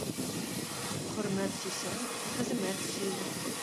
Хөрмәт сөйсәң, хезмәт сөй.